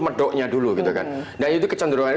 medoknya dulu dan itu kecenderungan